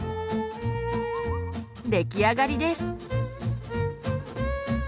出来上がりです。